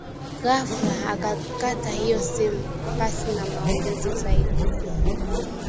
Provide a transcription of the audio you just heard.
Ghafla akakata hiyo simu pasi na maongezi zaidi